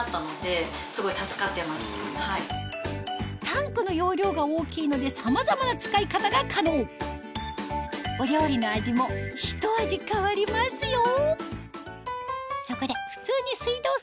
タンクの容量が大きいのでさまざまな使い方が可能お料理の味もひと味変わりますよ！